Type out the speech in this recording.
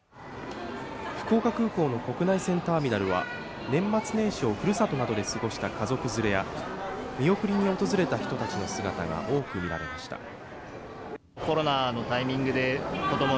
福岡空港の国内線ターミナルは、年末年始をふるさとなどで過ごした家族連れや、見送りに訪れた人の姿が多く見られました。